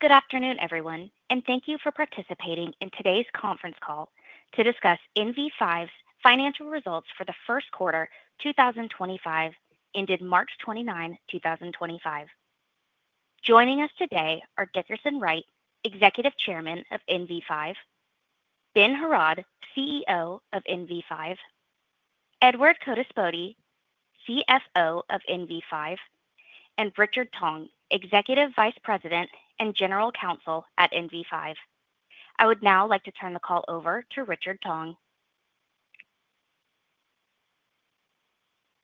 Good afternoon, everyone, and thank you for participating in today's conference call to discuss NV5's financial results for the first quarter 2025 ended March 29, 2025. Joining us today are Dickerson Wright, Executive Chairman of NV5, Ben Heraud, CEO of NV5, Edward Codispoti, CFO of NV5, and Richard Tong, Executive Vice President and General Counsel at NV5. I would now like to turn the call over to Richard Tong.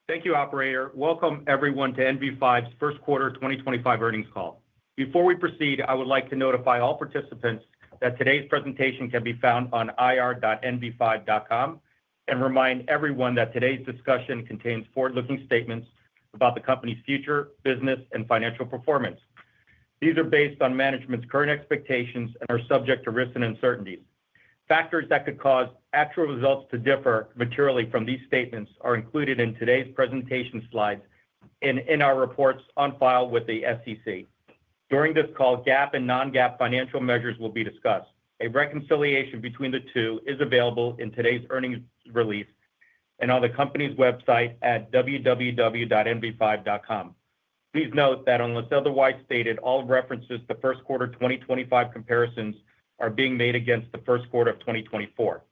Thank you, Operator. Welcome, everyone, to NV5's first quarter 2025 earnings call. Before we proceed, I would like to notify all participants that today's presentation can be found on ir.nv5.com and remind everyone that today's discussion contains forward-looking statements about the company's future, business, and financial performance. These are based on management's current expectations and are subject to risks and uncertainties. Factors that could cause actual results to differ materially from these statements are included in today's presentation slides and in our reports on file with the SEC. During this call, GAAP and non-GAAP financial measures will be discussed. A reconciliation between the two is available in today's earnings release and on the company's website at www.nv5.com. Please note that, unless otherwise stated, all references to first quarter 2025 comparisons are being made against the first quarter of 2024.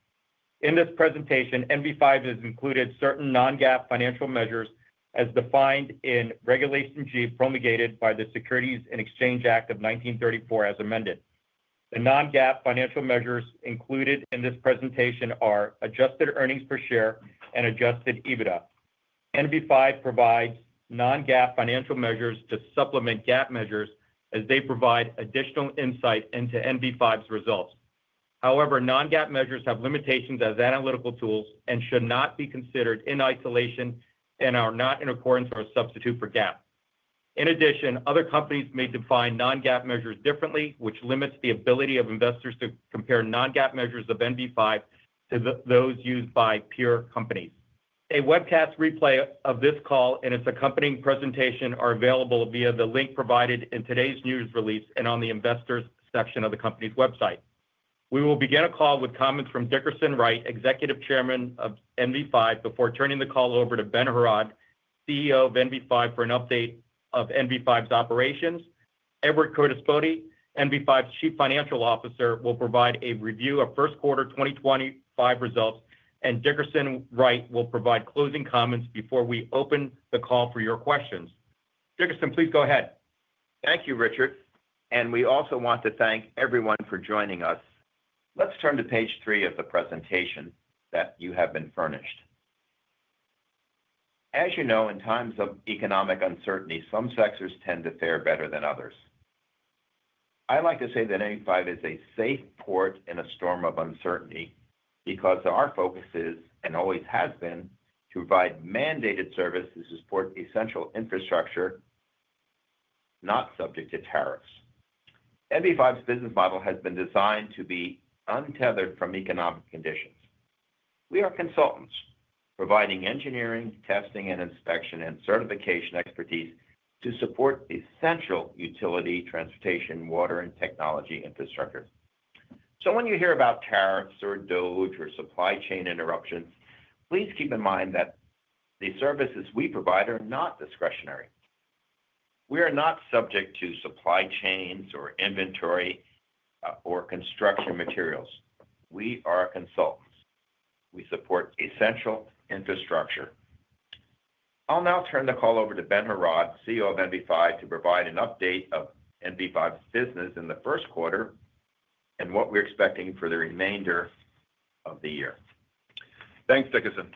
In this presentation, NV5 has included certain non-GAAP financial measures as defined in Regulation G promulgated by the Securities and Exchange Act of 1934 as amended. The non-GAAP financial measures included in this presentation are adjusted earnings per share and adjusted EBITDA. NV5 provides non-GAAP financial measures to supplement GAAP measures as they provide additional insight into NV5's results. However, non-GAAP measures have limitations as analytical tools and should not be considered in isolation and are not in accordance or a substitute for GAAP. In addition, other companies may define non-GAAP measures differently, which limits the ability of investors to compare non-GAAP measures of NV5 to those used by peer companies. A webcast replay of this call and its accompanying presentation are available via the link provided in today's news release and on the Investors section of the company's website. We will begin a call with comments from Dickerson Wright, Executive Chairman of NV5, before turning the call over to Ben Heraud, CEO of NV5, for an update of NV5's operations. Edward Codispoti, NV5's Chief Financial Officer, will provide a review of first quarter 2025 results, and Dickerson Wright will provide closing comments before we open the call for your questions. Dickerson, please go ahead. Thank you, Richard. We also want to thank everyone for joining us. Let's turn to page three of the presentation that you have been furnished. As you know, in times of economic uncertainty, some sectors tend to fare better than others. I like to say that NV5 is a safe port in a storm of uncertainty because our focus is, and always has been, to provide mandated services to support essential infrastructure not subject to tariffs. NV5's business model has been designed to be untethered from economic conditions. We are consultants providing engineering, testing, and inspection and certification expertise to support essential utility, transportation, water, and technology infrastructure. When you hear about tariffs or DOGE or supply chain interruptions, please keep in mind that the services we provide are not discretionary. We are not subject to supply chains or inventory or construction materials. We are consultants. We support essential infrastructure. I'll now turn the call over to Ben Heraud, CEO of NV5, to provide an update of NV5's business in the first quarter and what we're expecting for the remainder of the year. Thanks, Dickerson.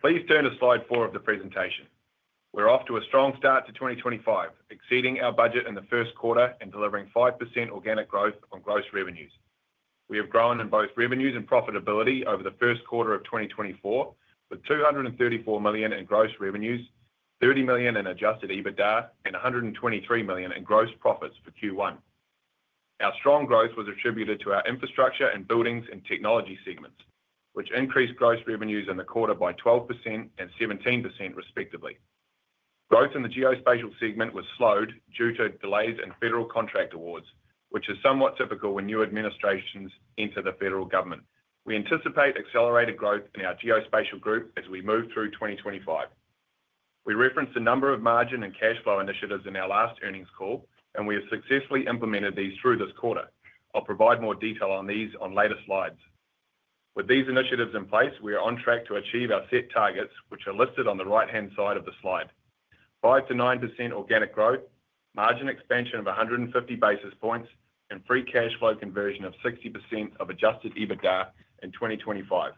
Please turn to slide four of the presentation. We're off to a strong start to 2025, exceeding our budget in the first quarter and delivering 5% organic growth on gross revenues. We have grown in both revenues and profitability over the first quarter of 2024 with $234 million in gross revenues, $30 million in adjusted EBITDA, and $123 million in gross profits for Q1. Our strong growth was attributed to our infrastructure and buildings and technology segments, which increased gross revenues in the quarter by 12% and 17%, respectively. Growth in the geospatial segment was slowed due to delays in federal contract awards, which is somewhat typical when new administrations enter the federal government. We anticipate accelerated growth in our geospatial group as we move through 2025. We referenced a number of margin and cash flow initiatives in our last earnings call, and we have successfully implemented these through this quarter. I'll provide more detail on these on later slides. With these initiatives in place, we are on track to achieve our set targets, which are listed on the right-hand side of the slide: 5-9% organic growth, margin expansion of 150 basis points, and free cash flow conversion of 60% of adjusted EBITDA in 2025.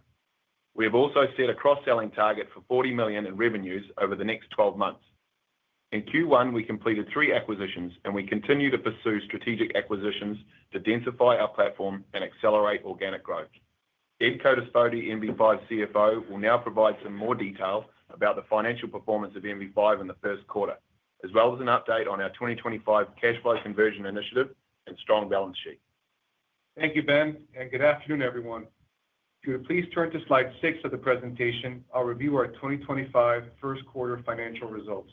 We have also set a cross-selling target for $40 million in revenues over the next 12 months. In Q1, we completed three acquisitions, and we continue to pursue strategic acquisitions to densify our platform and accelerate organic growth. Ed Codispoti, NV5 CFO, will now provide some more detail about the financial performance of NV5 in the first quarter, as well as an update on our 2025 cash flow conversion initiative and strong balance sheet. Thank you, Ben, and good afternoon, everyone. If you would please turn to slide six of the presentation, I'll review our 2025 first quarter financial results.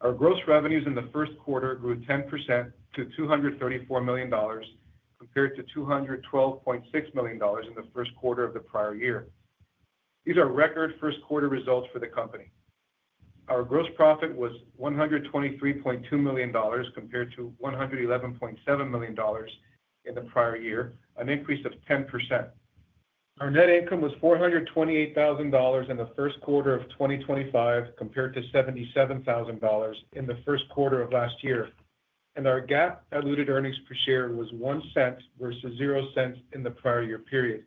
Our gross revenues in the first quarter grew 10% to $234 million compared to $212.6 million in the first quarter of the prior year. These are record first quarter results for the company. Our gross profit was $123.2 million compared to $111.7 million in the prior year, an increase of 10%. Our net income was $428,000 in the first quarter of 2025 compared to $77,000 in the first quarter of last year, and our GAAP diluted earnings per share was $0.01 versus $0.00 in the prior year period.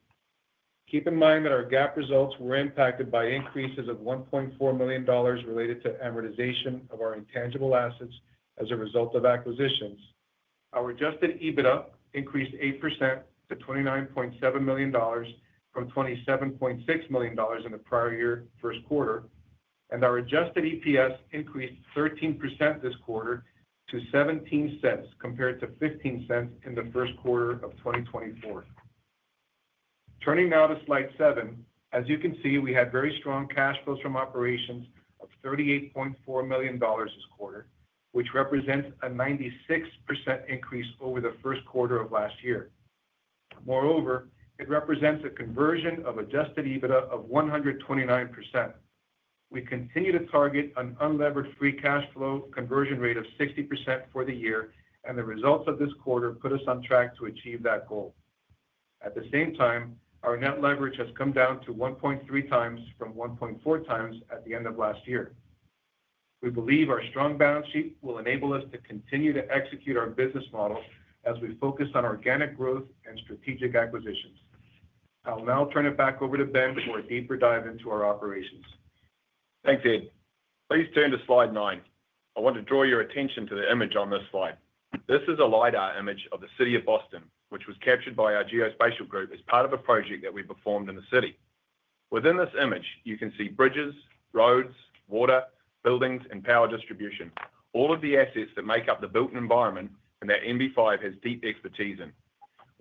Keep in mind that our GAAP results were impacted by increases of $1.4 million related to amortization of our intangible assets as a result of acquisitions. Our adjusted EBITDA increased 8% to $29.7 million from $27.6 million in the prior year first quarter, and our adjusted EPS increased 13% this quarter to $0.17 compared to $0.15 in the first quarter of 2024. Turning now to slide seven, as you can see, we had very strong cash flows from operations of $38.4 million this quarter, which represents a 96% increase over the first quarter of last year. Moreover, it represents a conversion of adjusted EBITDA of 129%. We continue to target an unlevered free cash flow conversion rate of 60% for the year, and the results of this quarter put us on track to achieve that goal. At the same time, our net leverage has come down to 1.3 times from 1.4 times at the end of last year. We believe our strong balance sheet will enable us to continue to execute our business model as we focus on organic growth and strategic acquisitions. I'll now turn it back over to Ben for a deeper dive into our operations. Thanks, Ed. Please turn to slide nine. I want to draw your attention to the image on this slide. This is a LiDAR image of the city of Boston, which was captured by our geospatial group as part of a project that we performed in the city. Within this image, you can see bridges, roads, water, buildings, and power distribution, all of the assets that make up the built environment that NV5 has deep expertise in.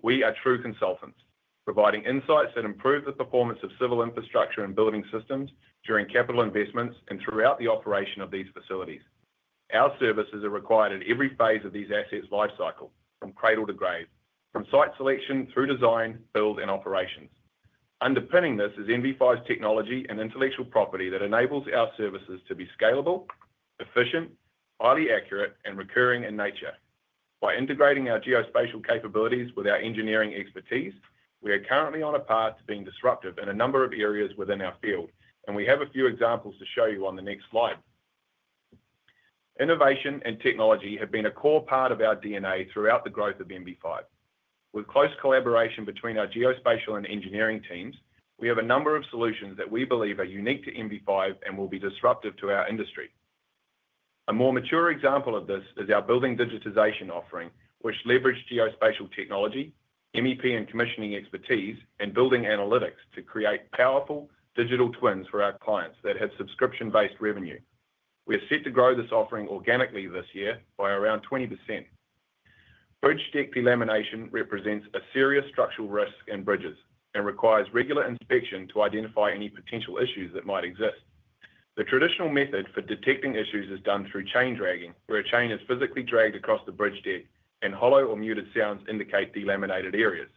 We are true consultants, providing insights that improve the performance of civil infrastructure and building systems during capital investments and throughout the operation of these facilities. Our services are required at every phase of these assets' life cycle, from cradle to grave, from site selection through design, build, and operations. Underpinning this is NV5's technology and intellectual property that enables our services to be scalable, efficient, highly accurate, and recurring in nature. By integrating our geospatial capabilities with our engineering expertise, we are currently on a path to being disruptive in a number of areas within our field, and we have a few examples to show you on the next slide. Innovation and technology have been a core part of our DNA throughout the growth of NV5. With close collaboration between our geospatial and engineering teams, we have a number of solutions that we believe are unique to NV5 and will be disruptive to our industry. A more mature example of this is our building digitization offering, which leverages geospatial technology, MEP and commissioning expertise, and building analytics to create powerful digital twins for our clients that have subscription-based revenue. We are set to grow this offering organically this year by around 20%. Bridge deck delamination represents a serious structural risk in bridges and requires regular inspection to identify any potential issues that might exist. The traditional method for detecting issues is done through chain dragging, where a chain is physically dragged across the bridge deck, and hollow or muted sounds indicate delaminated areas.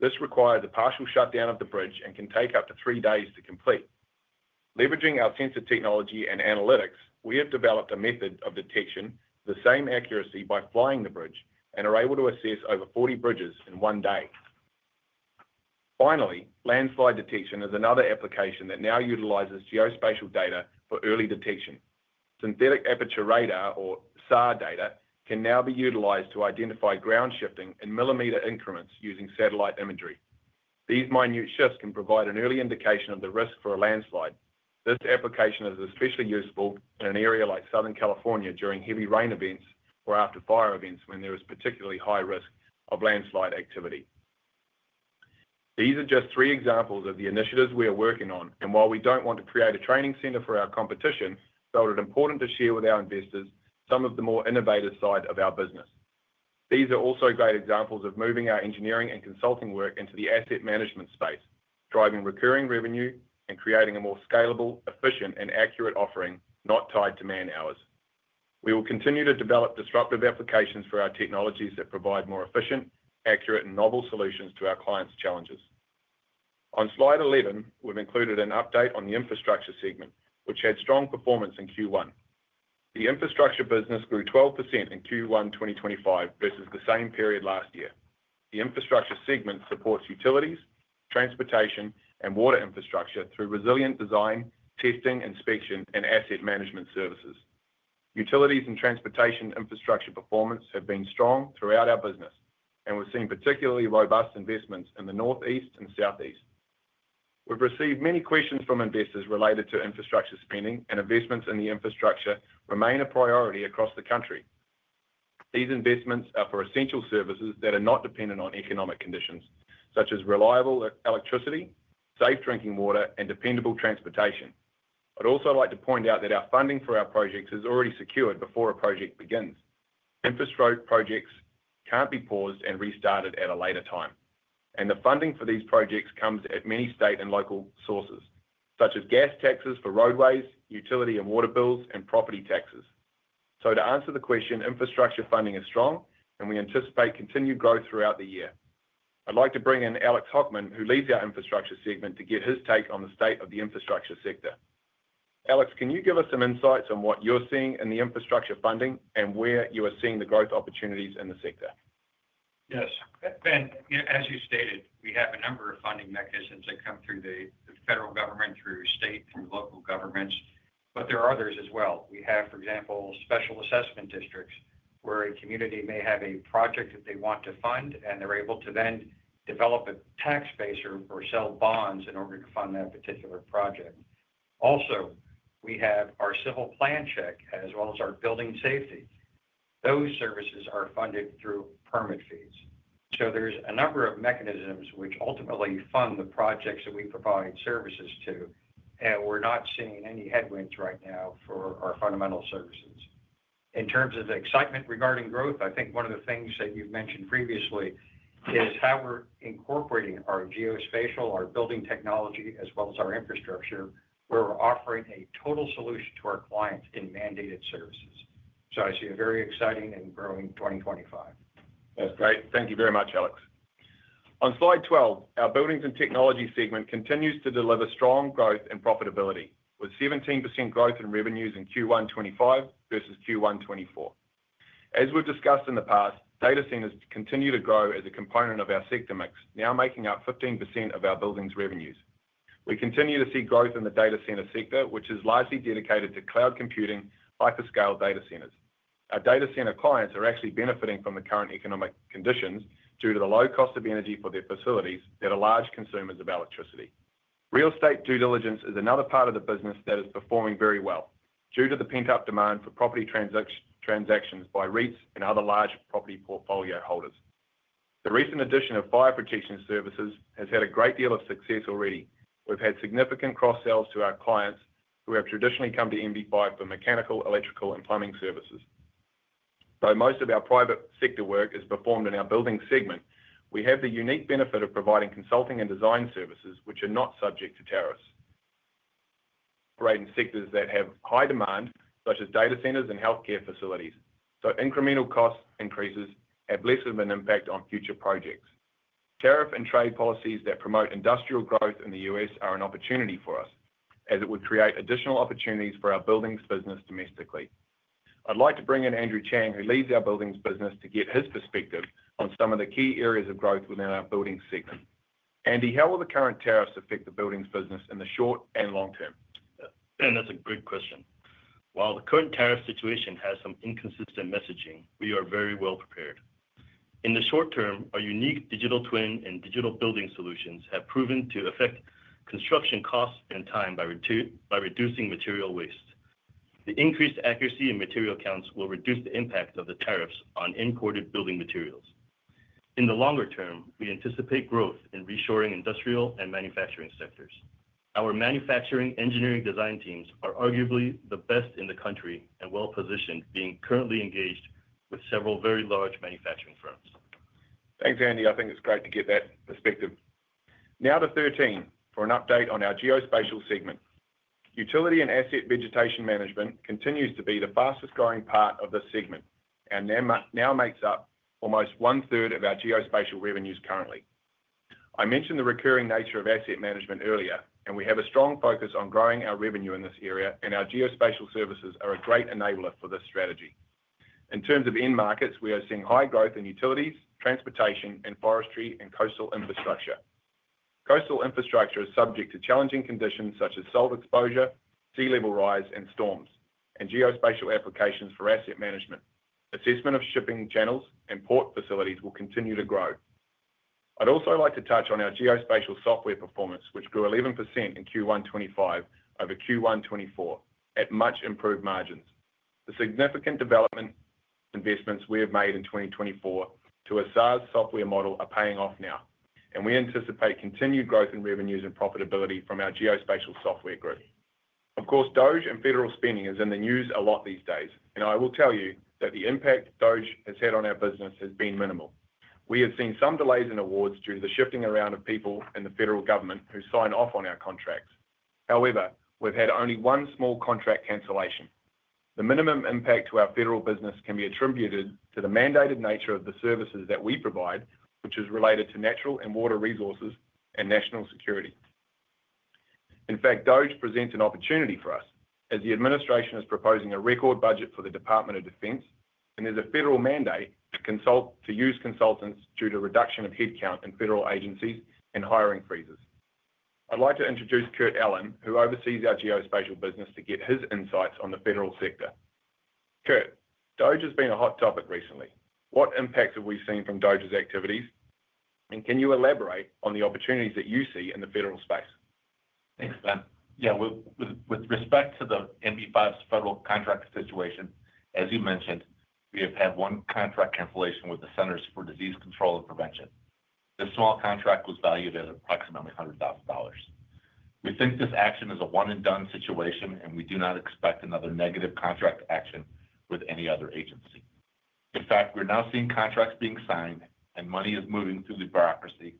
This requires a partial shutdown of the bridge and can take up to three days to complete. Leveraging our sensor technology and analytics, we have developed a method of detection with the same accuracy by flying the bridge and are able to assess over 40 bridges in one day. Finally, landslide detection is another application that now utilizes geospatial data for early detection. Synthetic aperture radar, or SAR data, can now be utilized to identify ground shifting in millimeter increments using satellite imagery. These minute shifts can provide an early indication of the risk for a landslide. This application is especially useful in an area like Southern California during heavy rain events or after fire events when there is particularly high risk of landslide activity. These are just three examples of the initiatives we are working on, and while we do not want to create a training center for our competition, it felt important to share with our investors some of the more innovative side of our business. These are also great examples of moving our engineering and consulting work into the asset management space, driving recurring revenue and creating a more scalable, efficient, and accurate offering not tied to man hours. We will continue to develop disruptive applications for our technologies that provide more efficient, accurate, and novel solutions to our clients' challenges. On slide 11, we have included an update on the infrastructure segment, which had strong performance in Q1. The infrastructure business grew 12% in Q1 2025 versus the same period last year. The infrastructure segment supports utilities, transportation, and water infrastructure through resilient design, testing, inspection, and asset management services. Utilities and transportation infrastructure performance have been strong throughout our business, and we've seen particularly robust investments in the Northeast and Southeast. We've received many questions from investors related to infrastructure spending, and investments in the infrastructure remain a priority across the country. These investments are for essential services that are not dependent on economic conditions, such as reliable electricity, safe drinking water, and dependable transportation. I'd also like to point out that our funding for our projects is already secured before a project begins. Infrastructure projects can't be paused and restarted at a later time, and the funding for these projects comes at many state and local sources, such as gas taxes for roadways, utility and water bills, and property taxes. To answer the question, infrastructure funding is strong, and we anticipate continued growth throughout the year. I'd like to bring in Alex Hockman, who leads our infrastructure segment, to get his take on the state of the infrastructure sector. Alex, can you give us some insights on what you're seeing in the infrastructure funding and where you are seeing the growth opportunities in the sector? Yes. Ben, as you stated, we have a number of funding mechanisms that come through the federal government, through state, through local governments, but there are others as well. We have, for example, special assessment districts where a community may have a project that they want to fund, and they're able to then develop a tax base or sell bonds in order to fund that particular project. Also, we have our civil plan check as well as our building safety. Those services are funded through permit fees. There are a number of mechanisms which ultimately fund the projects that we provide services to, and we're not seeing any headwinds right now for our fundamental services. In terms of excitement regarding growth, I think one of the things that you've mentioned previously is how we're incorporating our geospatial, our building technology, as well as our infrastructure, where we're offering a total solution to our clients in mandated services. I see a very exciting and growing 2025. That's great. Thank you very much, Alex. On slide 12, our buildings and technology segment continues to deliver strong growth and profitability, with 17% growth in revenues in Q1 2025 versus Q1 2024. As we've discussed in the past, data centers continue to grow as a component of our sector mix, now making up 15% of our buildings' revenues. We continue to see growth in the data center sector, which is largely dedicated to cloud computing, hyperscale data centers. Our data center clients are actually benefiting from the current economic conditions due to the low cost of energy for their facilities. They're large consumers of electricity. Real estate due diligence is another part of the business that is performing very well due to the pent-up demand for property transactions by REITs and other large property portfolio holders. The recent addition of fire protection services has had a great deal of success already. We've had significant cross-sells to our clients who have traditionally come to NV5 for mechanical, electrical, and plumbing services. Though most of our private sector work is performed in our building segment, we have the unique benefit of providing consulting and design services, which are not subject to tariffs. We're in sectors that have high demand, such as data centers and healthcare facilities, so incremental cost increases have less of an impact on future projects. Tariff and trade policies that promote industrial growth in the U.S. are an opportunity for us, as it would create additional opportunities for our buildings business domestically. I'd like to bring in Andrew Chang, who leads our buildings business, to get his perspective on some of the key areas of growth within our buildings segment. Andy, how will the current tariffs affect the buildings business in the short and long term? Ben, that's a great question. While the current tariff situation has some inconsistent messaging, we are very well prepared. In the short term, our unique digital twin and digital building solutions have proven to affect construction costs and time by reducing material waste. The increased accuracy in material counts will reduce the impact of the tariffs on imported building materials. In the longer term, we anticipate growth in reshoring industrial and manufacturing sectors. Our manufacturing engineering design teams are arguably the best in the country and well positioned, being currently engaged with several very large manufacturing firms. Thanks, Andy. I think it's great to get that perspective. Now to 13 for an update on our geospatial segment. Utility and asset vegetation management continues to be the fastest growing part of this segment and now makes up almost one-third of our geospatial revenues currently. I mentioned the recurring nature of asset management earlier, and we have a strong focus on growing our revenue in this area, and our geospatial services are a great enabler for this strategy. In terms of end markets, we are seeing high growth in utilities, transportation, and forestry and coastal infrastructure. Coastal infrastructure is subject to challenging conditions such as salt exposure, sea level rise, and storms, and geospatial applications for asset management. Assessment of shipping channels and port facilities will continue to grow. I'd also like to touch on our geospatial software performance, which grew 11% in Q1 2025 over Q1 2024 at much improved margins. The significant development investments we have made in 2024 to a SAR software model are paying off now, and we anticipate continued growth in revenues and profitability from our geospatial software growth. Of course, DOGE and federal spending is in the news a lot these days, and I will tell you that the impact DOGE has had on our business has been minimal. We have seen some delays in awards due to the shifting around of people in the federal government who sign off on our contracts. However, we've had only one small contract cancellation. The minimum impact to our federal business can be attributed to the mandated nature of the services that we provide, which is related to natural and water resources and national security. In fact, DOGE presents an opportunity for us as the administration is proposing a record budget for the Department of Defense, and there's a federal mandate to use consultants due to a reduction of headcount in federal agencies and hiring freezes. I'd like to introduce Kurt Allen, who oversees our geospatial business, to get his insights on the federal sector. Curt, DOGE has been a hot topic recently. What impacts have we seen from DOGE's activities, and can you elaborate on the opportunities that you see in the federal space? Thanks, Ben. Yeah, with respect to NV5's federal contract situation, as you mentioned, we have had one contract cancellation with the Centers for Disease Control and Prevention. This small contract was valued at approximately $100,000. We think this action is a one-and-done situation, and we do not expect another negative contract action with any other agency. In fact, we're now seeing contracts being signed, and money is moving through the bureaucracy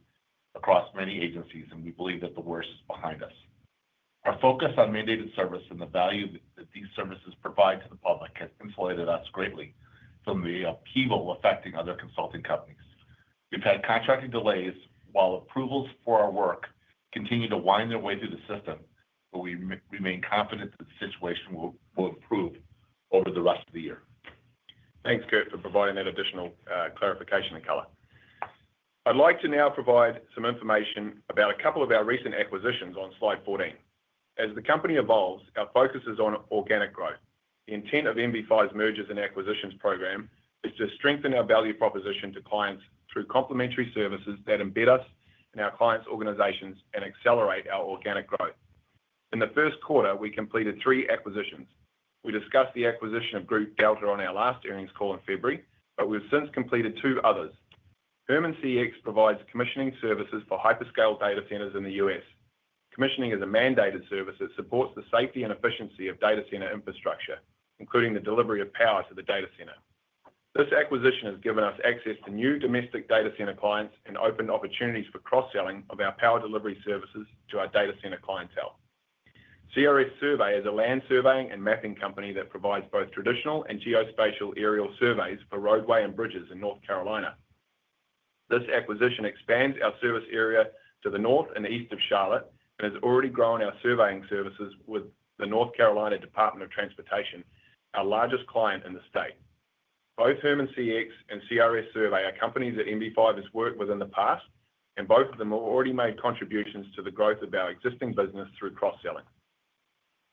across many agencies, and we believe that the worst is behind us. Our focus on mandated service and the value that these services provide to the public has insulated us greatly from the upheaval affecting other consulting companies. We've had contracting delays while approvals for our work continue to wind their way through the system, but we remain confident that the situation will improve over the rest of the year. Thanks, Kurt, for providing that additional clarification and color. I'd like to now provide some information about a couple of our recent acquisitions on slide 14. As the company evolves, our focus is on organic growth. The intent of NV5's mergers and acquisitions program is to strengthen our value proposition to clients through complementary services that embed us in our clients' organizations and accelerate our organic growth. In the first quarter, we completed three acquisitions. We discussed the acquisition of Group Delta on our last earnings call in February, but we've since completed two others. Herman CX provides commissioning services for hyperscale data centers in the U.S. Commissioning is a mandated service that supports the safety and efficiency of data center infrastructure, including the delivery of power to the data center. This acquisition has given us access to new domestic data center clients and opened opportunities for cross-selling of our power delivery services to our data center clientele. CRS Survey is a land surveying and mapping company that provides both traditional and geospatial aerial surveys for roadway and bridges in North Carolina. This acquisition expands our service area to the north and east of Charlotte and has already grown our surveying services with the North Carolina Department of Transportation, our largest client in the state. Both Herman CX and CRS Survey are companies that NV5 has worked with in the past, and both of them have already made contributions to the growth of our existing business through cross-selling.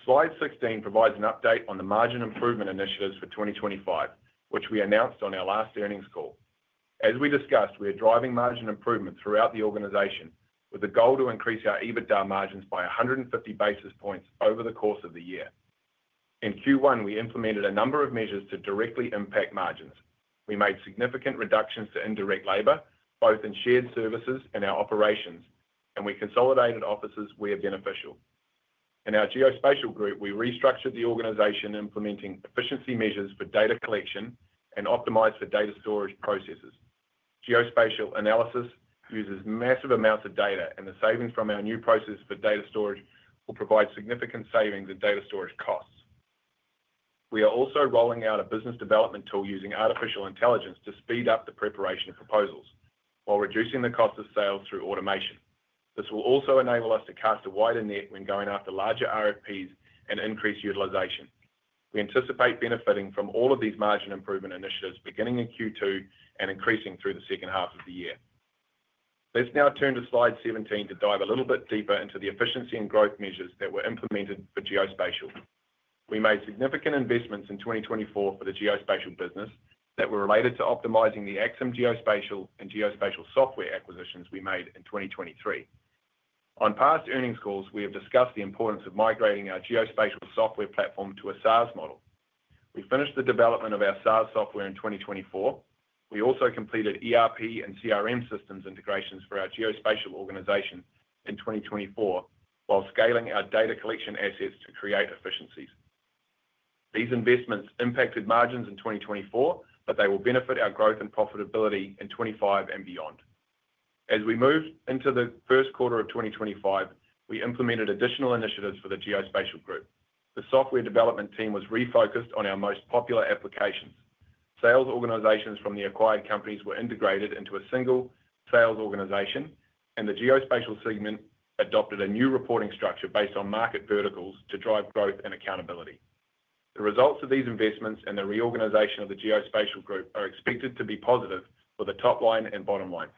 Slide 16 provides an update on the margin improvement initiatives for 2025, which we announced on our last earnings call. As we discussed, we are driving margin improvement throughout the organization with the goal to increase our EBITDA margins by 150 basis points over the course of the year. In Q1, we implemented a number of measures to directly impact margins. We made significant reductions to indirect labor, both in shared services and our operations, and we consolidated offices where beneficial. In our geospatial group, we restructured the organization, implementing efficiency measures for data collection and optimized for data storage processes. Geospatial analysis uses massive amounts of data, and the savings from our new process for data storage will provide significant savings in data storage costs. We are also rolling out a business development tool using artificial intelligence to speed up the preparation of proposals while reducing the cost of sales through automation. This will also enable us to cast a wider net when going after larger RFPs and increase utilization. We anticipate benefiting from all of these margin improvement initiatives beginning in Q2 and increasing through the second half of the year. Let's now turn to slide 17 to dive a little bit deeper into the efficiency and growth measures that were implemented for geospatial. We made significant investments in 2024 for the geospatial business that were related to optimizing the AXIM geospatial and geospatial software acquisitions we made in 2023. On past earnings calls, we have discussed the importance of migrating our geospatial software platform to a SaaS model. We finished the development of our SaaS software in 2024. We also completed ERP and CRM systems integrations for our geospatial organization in 2024 while scaling our data collection assets to create efficiencies. These investments impacted margins in 2024, but they will benefit our growth and profitability in 2025 and beyond. As we moved into the first quarter of 2025, we implemented additional initiatives for the geospatial group. The software development team was refocused on our most popular applications. Sales organizations from the acquired companies were integrated into a single sales organization, and the geospatial segment adopted a new reporting structure based on market verticals to drive growth and accountability. The results of these investments and the reorganization of the geospatial group are expected to be positive for the top line and bottom line.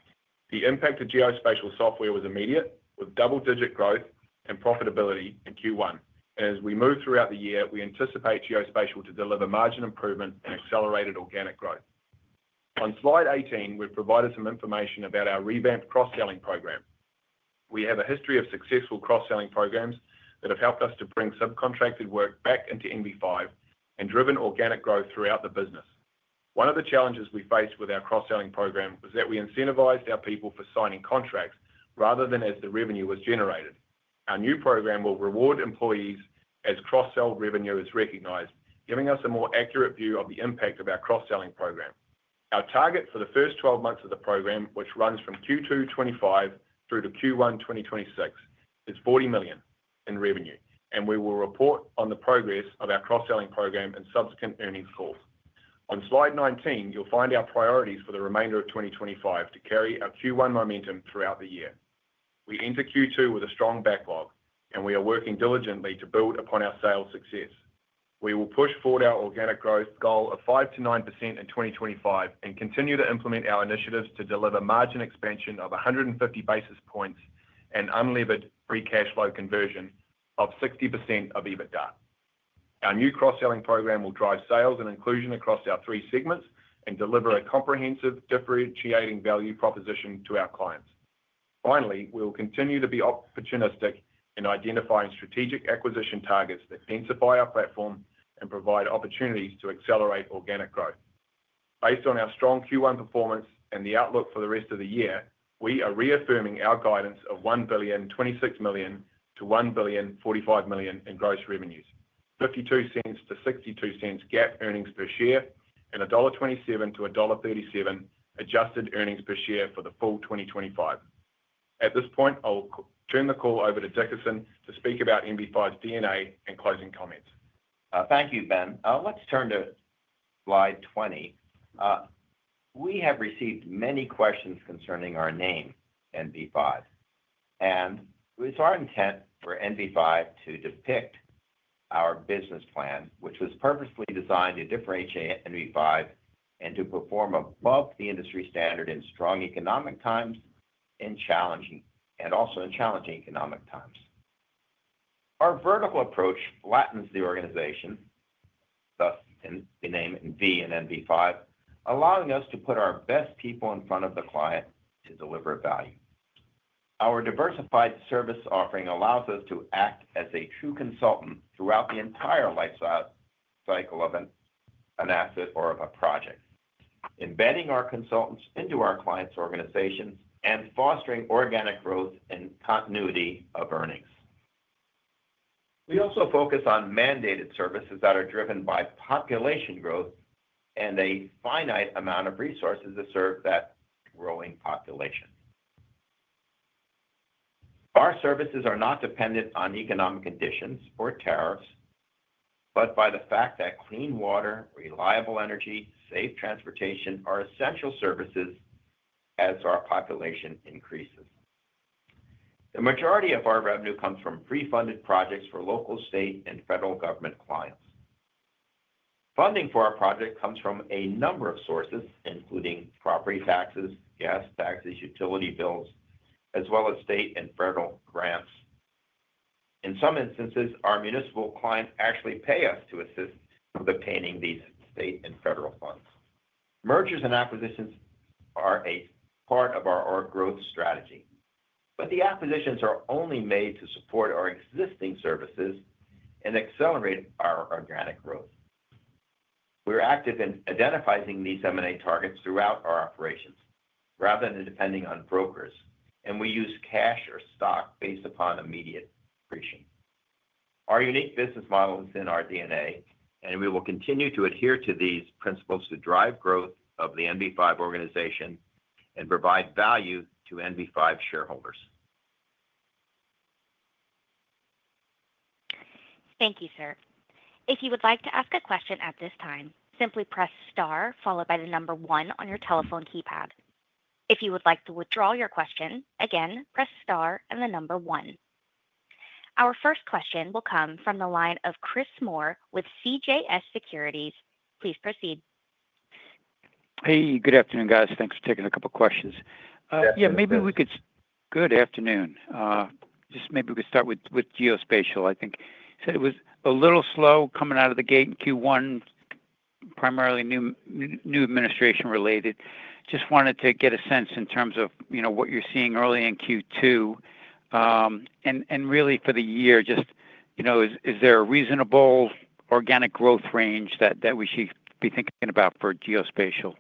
The impact of geospatial software was immediate, with double-digit growth and profitability in Q1. As we move throughout the year, we anticipate geospatial to deliver margin improvement and accelerated organic growth. On slide 18, we've provided some information about our revamped cross-selling program. We have a history of successful cross-selling programs that have helped us to bring subcontracted work back into NV5 and driven organic growth throughout the business. One of the challenges we faced with our cross-selling program was that we incentivized our people for signing contracts rather than as the revenue was generated. Our new program will reward employees as cross-sell revenue is recognized, giving us a more accurate view of the impact of our cross-selling program. Our target for the first 12 months of the program, which runs from Q2 2025 through to Q1 2026, is $40 million in revenue, and we will report on the progress of our cross-selling program in subsequent earnings calls. On slide 19, you'll find our priorities for the remainder of 2025 to carry our Q1 momentum throughout the year. We enter Q2 with a strong backlog, and we are working diligently to build upon our sales success. We will push forward our organic growth goal of 5-9% in 2025 and continue to implement our initiatives to deliver margin expansion of 150 basis points and unlevered free cash flow conversion of 60% of EBITDA. Our new cross-selling program will drive sales and inclusion across our three segments and deliver a comprehensive differentiating value proposition to our clients. Finally, we will continue to be opportunistic in identifying strategic acquisition targets that densify our platform and provide opportunities to accelerate organic growth. Based on our strong Q1 performance and the outlook for the rest of the year, we are reaffirming our guidance of $1,026,000,000-$1,045,000,000 in gross revenues, $0.52-$0.62 GAAP earnings per share, and $1.27-$1.37 adjusted earnings per share for the full 2025. At this point, I'll turn the call over to Dickerson to speak about NV5's DNA and closing comments. Thank you, Ben. Let's turn to slide 20. We have received many questions concerning our name, NV5. And it's our intent for NV5 to depict our business plan, which was purposefully designed to differentiate NV5 and to perform above the industry standard in strong economic times and also in challenging economic times. Our vertical approach flattens the organization, thus the name V in NV5, allowing us to put our best people in front of the client to deliver value. Our diversified service offering allows us to act as a true consultant throughout the entire lifecycle of an asset or of a project, embedding our consultants into our clients' organizations and fostering organic growth and continuity of earnings. We also focus on mandated services that are driven by population growth and a finite amount of resources to serve that growing population. Our services are not dependent on economic conditions or tariffs, but by the fact that clean water, reliable energy, and safe transportation are essential services as our population increases. The majority of our revenue comes from pre-funded projects for local, state, and federal government clients. Funding for our project comes from a number of sources, including property taxes, gas taxes, utility bills, as well as state and federal grants. In some instances, our municipal clients actually pay us to assist with obtaining these state and federal funds. Mergers and acquisitions are a part of our growth strategy, but the acquisitions are only made to support our existing services and accelerate our organic growth. We're active in identifying these M&A targets throughout our operations rather than depending on brokers, and we use cash or stock based upon immediate appreciation. Our unique business model is in our DNA, and we will continue to adhere to these principles to drive growth of the NV5 organization and provide value to NV5 shareholders. Thank you, sir. If you would like to ask a question at this time, simply press star followed by the number one on your telephone keypad. If you would like to withdraw your question, again, press star and the number one. Our first question will come from the line of Chris Moore with CJS Securities. Please proceed. Hey, good afternoon, guys. Thanks for taking a couple of questions. Yeah, maybe we could—good afternoon. Just maybe we could start with geospatial. I think it was a little slow coming out of the gate in Q1, primarily new administration related. Just wanted to get a sense in terms of what you're seeing early in Q2 and really for the year. Just is there a reasonable organic growth range that we should be thinking about for geospatial?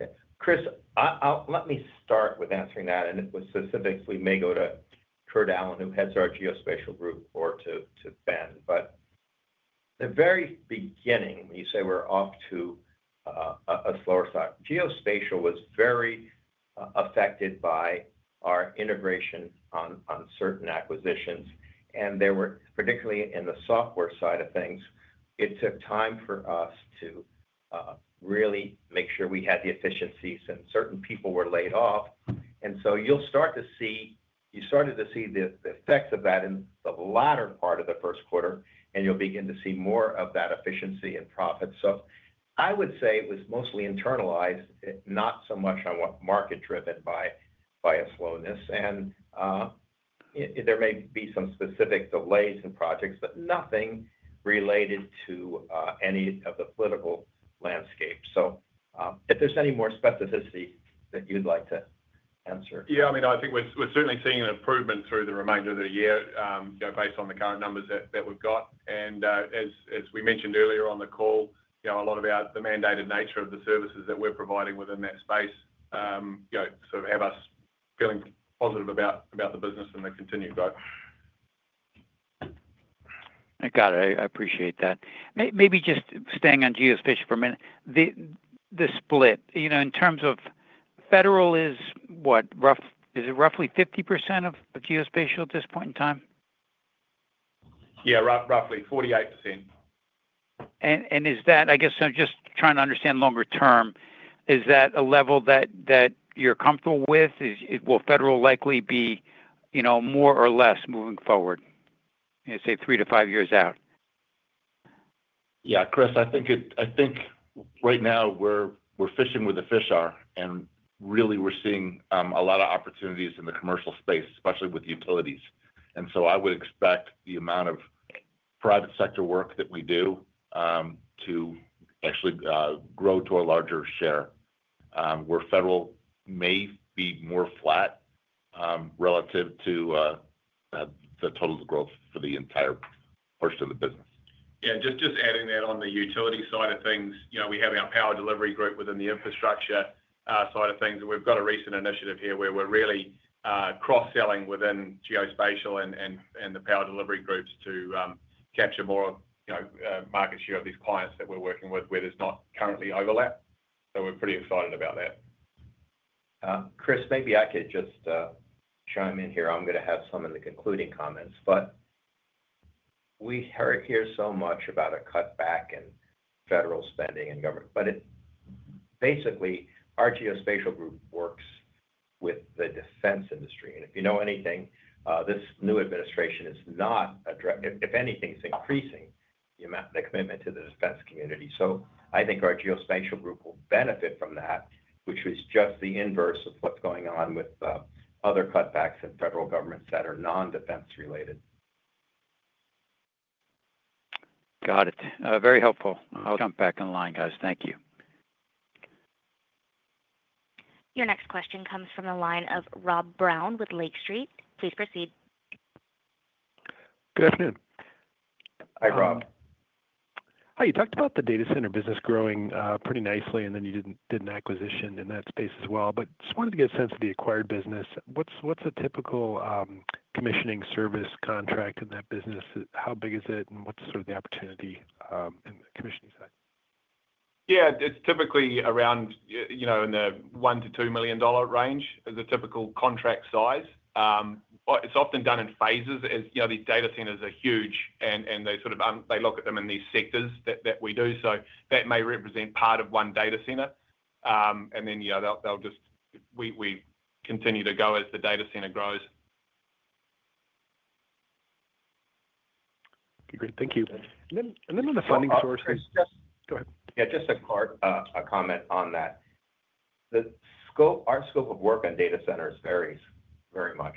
Okay. Chris, let me start with answering that, and specifically, may go to Kurt Allen, who heads our geospatial group, or to Ben. At the very beginning, when you say we're off to a slower thought, geospatial was very affected by our integration on certain acquisitions. Particularly in the software side of things, it took time for us to really make sure we had the efficiencies, and certain people were laid off. You started to see the effects of that in the latter part of the first quarter, and you'll begin to see more of that efficiency and profit. I would say it was mostly internalized, not so much on what market-driven by a slowness. There may be some specific delays in projects, but nothing related to any of the political landscape. If there's any more specificity that you'd like to answer. Yeah, I mean, I think we're certainly seeing an improvement through the remainder of the year based on the current numbers that we've got. As we mentioned earlier on the call, a lot about the mandated nature of the services that we're providing within that space sort of have us feeling positive about the business and the continued growth. I got it. I appreciate that. Maybe just staying on geospatial for a minute, the split. In terms of federal, is it roughly 50% of geospatial at this point in time? Yeah, roughly 48%. Is that—I guess I'm just trying to understand longer term—is that a level that you're comfortable with? Will federal likely be more or less moving forward, say, three to five years out? Yeah, Chris, I think right now we're fishing where the fish are. And really, we're seeing a lot of opportunities in the commercial space, especially with utilities. I would expect the amount of private sector work that we do to actually grow to a larger share where federal may be more flat relative to the total growth for the entire portion of the business. Just adding that on the utility side of things, we have our power delivery group within the infrastructure side of things. We've got a recent initiative here where we're really cross-selling within geospatial and the power delivery groups to capture more market share of these clients that we're working with where there's not currently overlap. We're pretty excited about that. Chris, maybe I could just chime in here. I'm going to have some of the concluding comments. We hear so much about a cutback in federal spending and government. Basically, our geospatial group works with the defense industry. If you know anything, this new administration is not, if anything, it's increasing the commitment to the defense community. I think our geospatial group will benefit from that, which is just the inverse of what's going on with other cutbacks in federal governments that are non-defense related. Got it. Very helpful. I'll jump back in line, guys. Thank you. Your next question comes from the line of Rob Brown with Lake Street. Please proceed. Good afternoon. Hi, Rob. Hi. You talked about the data center business growing pretty nicely, and then you did an acquisition in that space as well. Just wanted to get a sense of the acquired business. What's a typical commissioning service contract in that business? How big is it, and what's sort of the opportunity in the commissioning side? Yeah, it's typically around in the $1 million to $2 million range as a typical contract size. It's often done in phases as these data centers are huge, and they look at them in these sectors that we do. That may represent part of one data center. They just—we continue to go as the data center grows. Okay, great. Thank you. And then on the funding sources, go ahead. Yeah, just a quick comment on that. Our scope of work in data centers varies very much.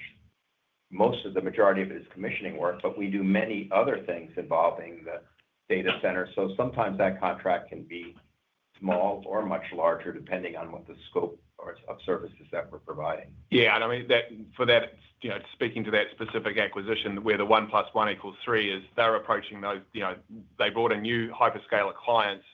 Most of the majority of it is commissioning work, but we do many other things involving the data center. Sometimes that contract can be small or much larger depending on what the scope of services that we are providing. Yeah. I mean, for that, speaking to that specific acquisition where the one plus one equals three is they're approaching those—they brought in new hyperscaler clients.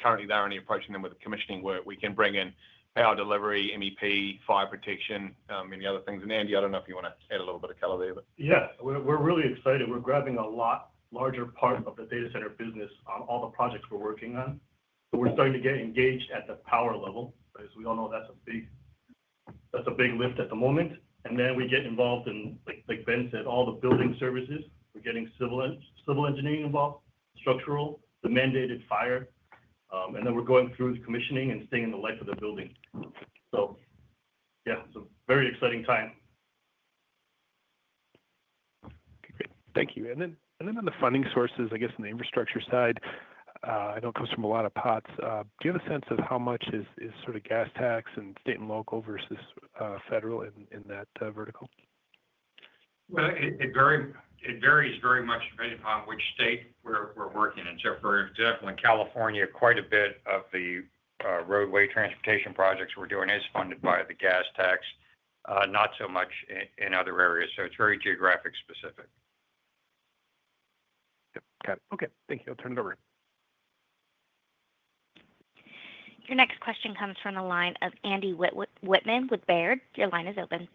Currently, they're only approaching them with commissioning work. We can bring in power delivery, MEP, fire protection, many other things. And Andy, I don't know if you want to add a little bit of color there, but. Yeah. We're really excited. We're grabbing a lot larger part of the data center business on all the projects we're working on. We're starting to get engaged at the power level. As we all know, that's a big lift at the moment. We get involved in, like Ben said, all the building services. We're getting civil engineering involved, structural, the mandated fire. We're going through the commissioning and staying in the life of the building. Yeah, it's a very exciting time. Okay, great. Thank you. On the funding sources, I guess on the infrastructure side, I know it comes from a lot of pots. Do you have a sense of how much is sort of gas tax and state and local versus federal in that vertical? It varies very much depending upon which state we're working in. For example, in California, quite a bit of the roadway transportation projects we're doing is funded by the gas tax, not so much in other areas. It is very geographic specific. Yep. Got it. Okay. Thank you. I'll turn it over. Your next question comes from the line of Andy Whitman with Baird. Your line is open.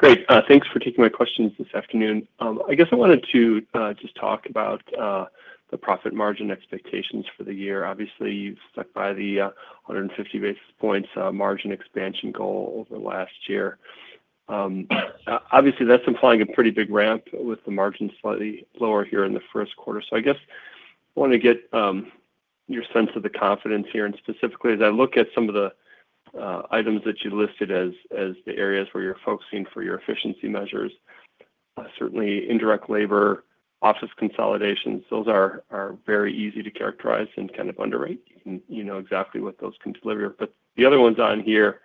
Great. Thanks for taking my questions this afternoon. I guess I wanted to just talk about the profit margin expectations for the year. Obviously, you've stuck by the 150 basis points margin expansion goal over last year. Obviously, that's implying a pretty big ramp with the margin slightly lower here in the first quarter. I guess I want to get your sense of the confidence here. And specifically, as I look at some of the items that you listed as the areas where you're focusing for your efficiency measures, certainly indirect labor, office consolidations, those are very easy to characterize and kind of underrate. You know exactly what those can deliver. The other ones on here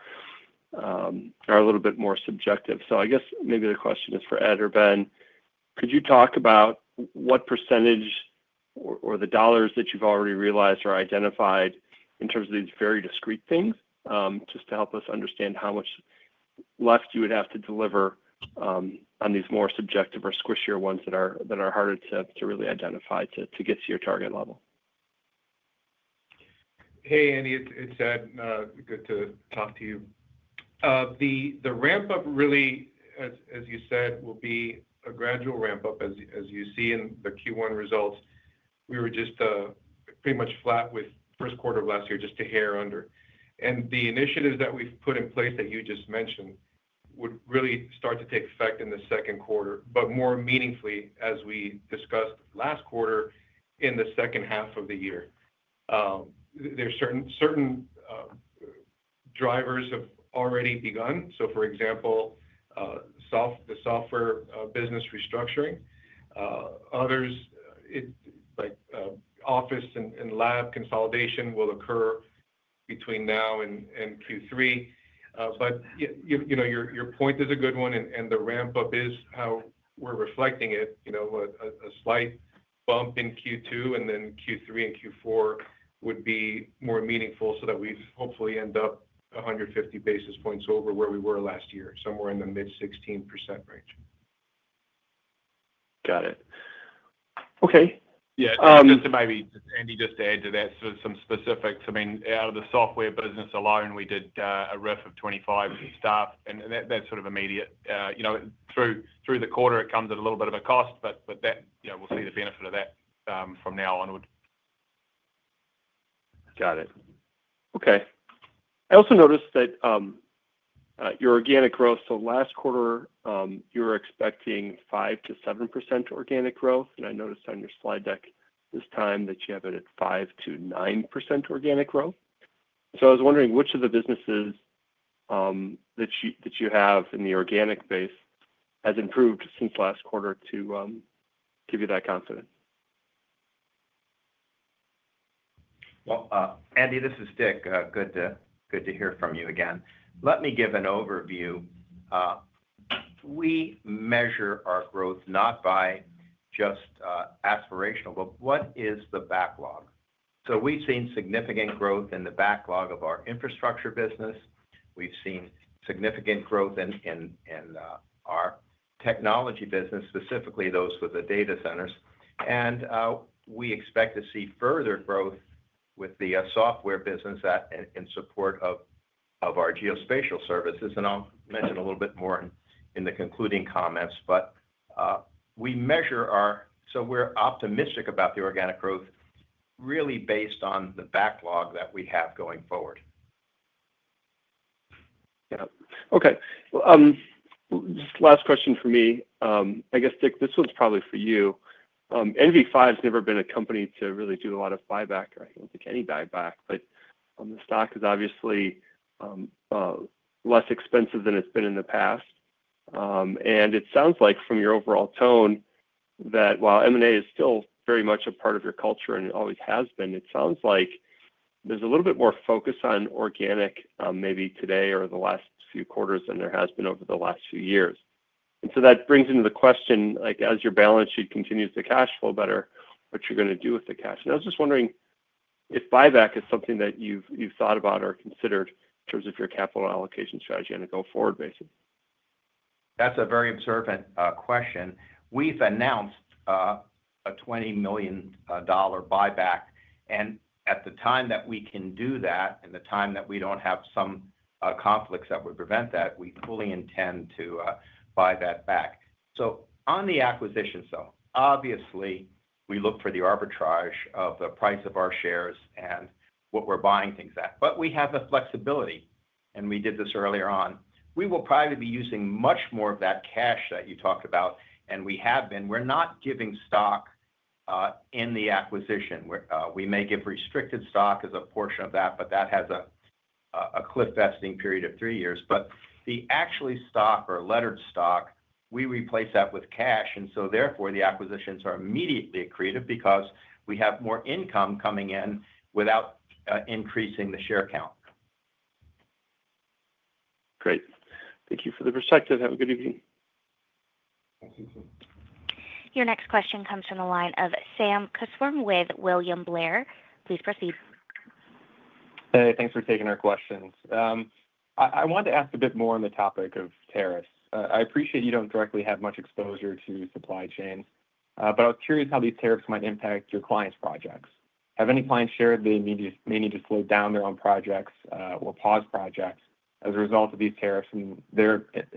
are a little bit more subjective. I guess maybe the question is for Ed or Ben. Could you talk about what percentage or the dollars that you've already realized are identified in terms of these very discrete things just to help us understand how much left you would have to deliver on these more subjective or squishier ones that are harder to really identify to get to your target level? Hey, Andy. It's Ed. Good to talk to you. The ramp-up really, as you said, will be a gradual ramp-up. As you see in the Q1 results, we were just pretty much flat with first quarter of last year, just a hair under. The initiatives that we've put in place that you just mentioned would really start to take effect in the second quarter, but more meaningfully as we discussed last quarter in the second half of the year. There are certain drivers that have already begun. For example, the software business restructuring. Others, like office and lab consolidation, will occur between now and Q3. Your point is a good one. The ramp-up is how we're reflecting it. A slight bump in Q2 and then Q3 and Q4 would be more meaningful so that we hopefully end up 150 basis points over where we were last year, somewhere in the mid 16% range. Got it. Okay. Yeah. Just to maybe just add to that, some specifics, I mean, out of the software business alone, we did a riff of 25 staff. That is sort of immediate. Through the quarter, it comes at a little bit of a cost, but we'll see the benefit of that from now onward. Got it. Okay. I also noticed that your organic growth, last quarter, you were expecting 5-7% organic growth. I noticed on your slide deck this time that you have it at 5-9% organic growth. I was wondering which of the businesses that you have in the organic base has improved since last quarter to give you that confidence? Andy, this is Dick. Good to hear from you again. Let me give an overview. We measure our growth not by just aspirational, but what is the backlog? We have seen significant growth in the backlog of our infrastructure business. We have seen significant growth in our technology business, specifically those with the data centers. We expect to see further growth with the software business in support of our geospatial services. I will mention a little bit more in the concluding comments. We measure our—so we are optimistic about the organic growth really based on the backlog that we have going forward. Yeah. Okay. Just last question for me. I guess, Dick, this one's probably for you. NV5 has never been a company to really do a lot of buyback, or I don't think any buyback. The stock is obviously less expensive than it's been in the past. It sounds like from your overall tone that while M&A is still very much a part of your culture and it always has been, it sounds like there's a little bit more focus on organic maybe today or the last few quarters than there has been over the last few years. That brings into the question, as your balance sheet continues to cash flow better, what you're going to do with the cash. I was just wondering if buyback is something that you've thought about or considered in terms of your capital allocation strategy on a go-forward basis? That's a very observant question. We've announced a $20 million buyback. At the time that we can do that and the time that we do not have some conflicts that would prevent that, we fully intend to buy that back. On the acquisition side, obviously, we look for the arbitrage of the price of our shares and what we are buying things at. We have the flexibility. We did this earlier on. We will probably be using much more of that cash that you talked about, and we have been. We are not giving stock in the acquisition. We may give restricted stock as a portion of that, but that has a cliff-vesting period of three years. The actual stock or lettered stock, we replace that with cash. Therefore, the acquisitions are immediately accretive because we have more income coming in without increasing the share count. Great. Thank you for the perspective. Have a good evening. Your next question comes from the line of Sam Cochswarm with William Blair. Please proceed. Hey, thanks for taking our questions. I wanted to ask a bit more on the topic of tariffs. I appreciate you do not directly have much exposure to supply chains, but I was curious how these tariffs might impact your clients' projects. Have any clients shared they may need to slow down their own projects or pause projects as a result of these tariffs and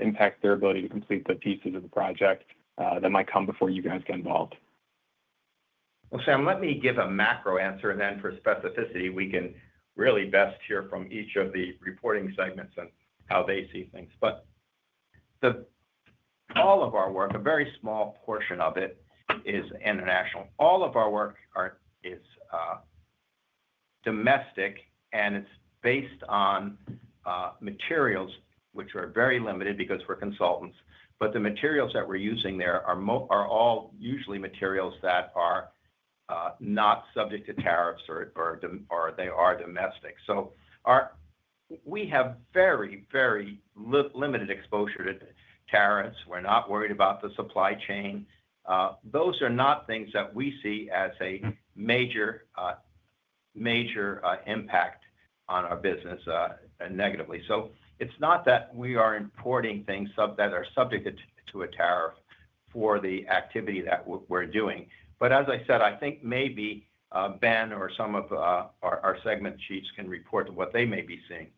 impact their ability to complete the pieces of the project that might come before you guys get involved? Sam, let me give a macro answer. For specificity, we can really best hear from each of the reporting segments and how they see things. All of our work, a very small portion of it, is international. All of our work is domestic, and it's based on materials which are very limited because we're consultants. The materials that we're using there are all usually materials that are not subject to tariffs, or they are domestic. We have very, very limited exposure to tariffs. We're not worried about the supply chain. Those are not things that we see as a major impact on our business negatively. It's not that we are importing things that are subject to a tariff for the activity that we're doing. As I said, I think maybe Ben or some of our segment chiefs can report to what they may be seeing.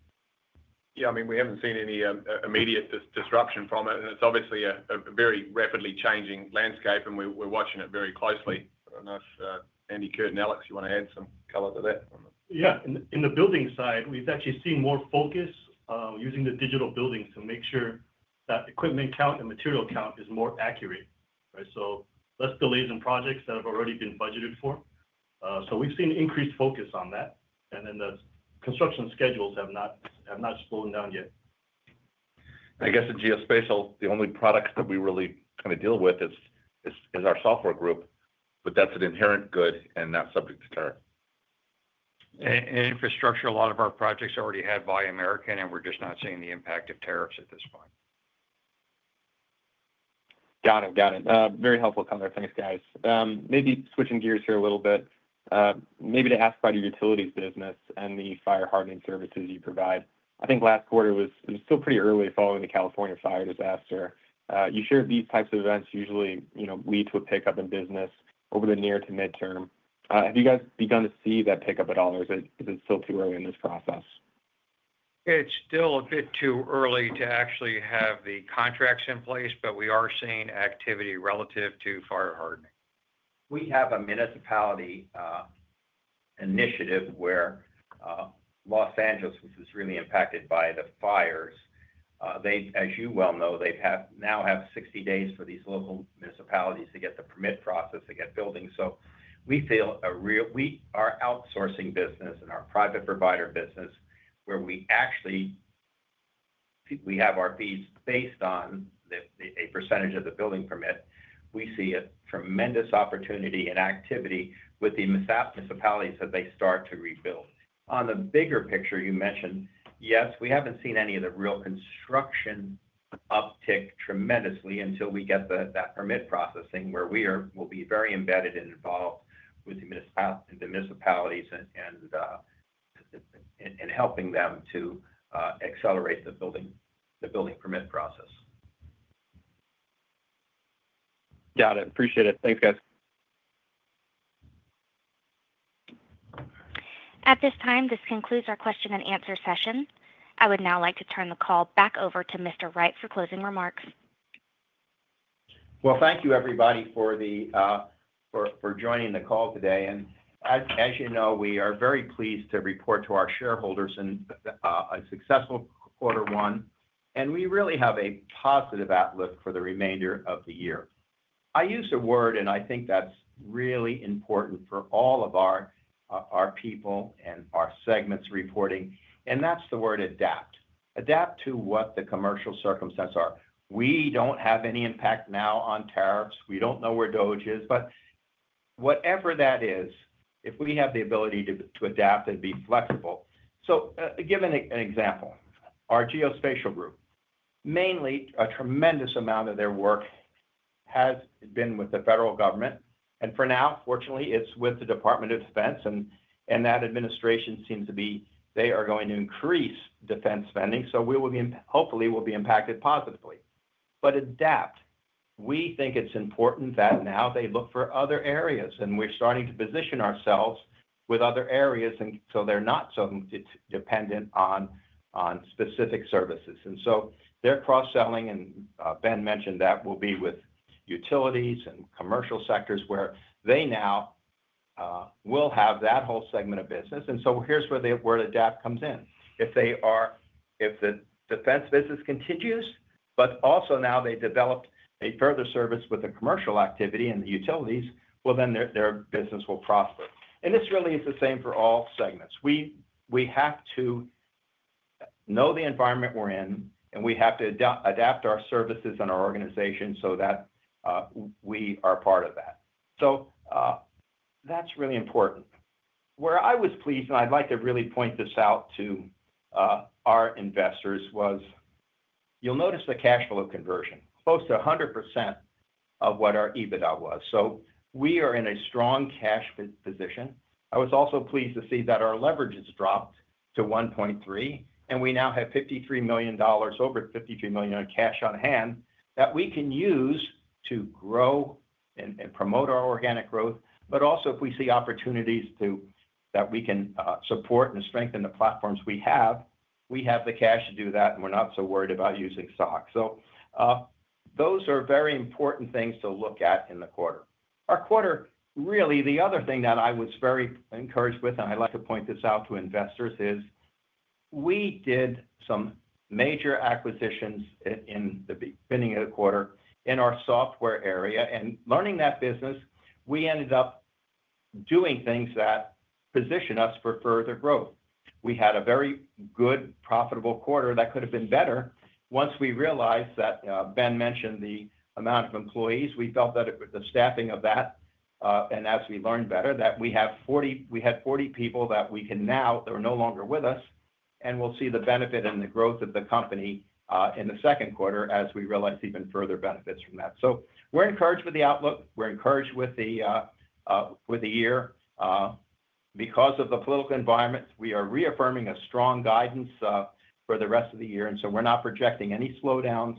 Yeah. I mean, we haven't seen any immediate disruption from it. It's obviously a very rapidly changing landscape, and we're watching it very closely. I don't know if Andy, Kurt, and Alex, you want to add some color to that? Yeah. In the building side, we've actually seen more focus using the digital buildings to make sure that equipment count and material count is more accurate. Less delays in projects that have already been budgeted for. We've seen increased focus on that. The construction schedules have not slowed down yet. I guess in geospatial, the only product that we really kind of deal with is our software group, but that's an inherent good and not subject to tariff. Infrastructure, a lot of our projects already have Buy American, and we're just not seeing the impact of tariffs at this point. Got it. Got it. Very helpful, Connor. Thanks, guys. Maybe switching gears here a little bit, maybe to ask about your utilities business and the fire hardening services you provide. I think last quarter was still pretty early following the California fire disaster. You shared these types of events usually lead to a pickup in business over the near to midterm. Have you guys begun to see that pickup at all, or is it still too early in this process? It's still a bit too early to actually have the contracts in place, but we are seeing activity relative to fire hardening. We have a municipality initiative where Los Angeles, which was really impacted by the fires, as you well know, they now have 60 days for these local municipalities to get the permit process to get buildings. We feel a real—we are outsourcing business in our private provider business where we actually have our fees based on a percentage of the building permit. We see a tremendous opportunity and activity with the municipalities as they start to rebuild. On the bigger picture you mentioned, yes, we haven't seen any of the real construction uptick tremendously until we get that permit processing where we will be very embedded and involved with the municipalities and helping them to accelerate the building permit process. Got it. Appreciate it. Thanks, guys. At this time, this concludes our question and answer session. I would now like to turn the call back over to Mr. Wright for closing remarks. Thank you, everybody, for joining the call today. As you know, we are very pleased to report to our shareholders in a successful quarter one. We really have a positive outlook for the remainder of the year. I use a word, and I think that's really important for all of our people and our segments reporting, and that's the word adapt. Adapt to what the commercial circumstances are. We don't have any impact now on tariffs. We don't know where DOGE is, but whatever that is, if we have the ability to adapt and be flexible. Give an example. Our geospatial group, mainly a tremendous amount of their work has been with the federal government. For now, fortunately, it's with the Department of Defense. That administration seems to be—they are going to increase defense spending. Hopefully, we'll be impacted positively. We think it's important that now they look for other areas. We're starting to position ourselves with other areas so they're not so dependent on specific services. They're cross-selling, and Ben mentioned that will be with utilities and commercial sectors where they now will have that whole segment of business. Here's where the adapt comes in. If the defense business continues, but also now they develop a further service with the commercial activity and the utilities, their business will prosper. This really is the same for all segments. We have to know the environment we're in, and we have to adapt our services and our organization so that we are part of that. That's really important. Where I was pleased, and I'd like to really point this out to our investors, was you'll notice the cash flow conversion, close to 100% of what our EBITDA was. We are in a strong cash position. I was also pleased to see that our leverage has dropped to 1.3, and we now have $53 million, over $53 million in cash on hand that we can use to grow and promote our organic growth. Also, if we see opportunities that we can support and strengthen the platforms we have, we have the cash to do that, and we're not so worried about using stock. Those are very important things to look at in the quarter. Our quarter, really, the other thing that I was very encouraged with, and I'd like to point this out to investors, is we did some major acquisitions in the beginning of the quarter in our software area. Learning that business, we ended up doing things that position us for further growth. We had a very good, profitable quarter that could have been better. Once we realized that Ben mentioned the amount of employees, we felt that the staffing of that, and as we learned better, that we had 40 people that we can now—they're no longer with us. We will see the benefit and the growth of the company in the second quarter as we realize even further benefits from that. We are encouraged with the outlook. We are encouraged with the year because of the political environment. We are reaffirming a strong guidance for the rest of the year. We are not projecting any slowdowns.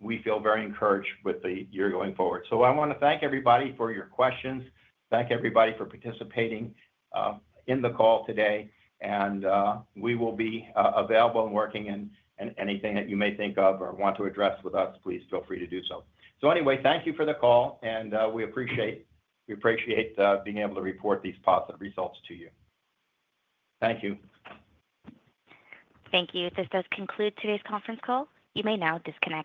We feel very encouraged with the year going forward. I want to thank everybody for your questions. Thank everybody for participating in the call today. We will be available and working on anything that you may think of or want to address with us. Please feel free to do so. Thank you for the call. We appreciate being able to report these positive results to you. Thank you. Thank you. This does conclude today's conference call. You may now disconnect.